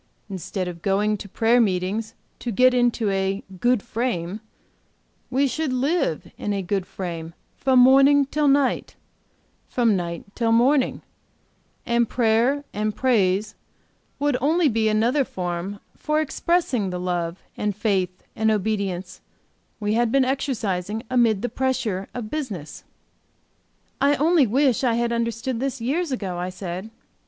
Instead of going to prayer meetings to get into a 'good frame' we should live in a good frame from morning till night, from night till morning, and prayer and praise would be only another form for expressing the love and faith and obedience we had been exercising amid the pressure of business." "I only wish I had understood this years ago," I said.